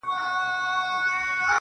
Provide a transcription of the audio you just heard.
ستا هم د پزي په افسر كي جـادو.